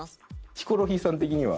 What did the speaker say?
ヒコロヒーさん的には？